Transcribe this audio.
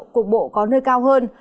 cục bộ có nơi cao hơn